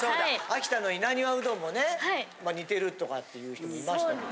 秋田の稲庭うどんもね似てるとかっていう人もいましたけど。